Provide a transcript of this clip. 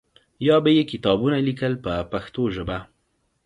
یا به یې کتابونه لیکل په پښتو ژبه.